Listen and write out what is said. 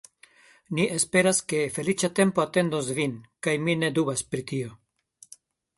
Ni esperas, ke feliĉa tempo atendos vin, kaj mi ne dubas pri tio.